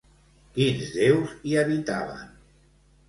Quins déus hi habitaven?